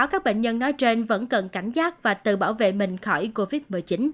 các bệnh nhân nói trên vẫn cần cảnh giác và tự bảo vệ mình khỏi covid một mươi chín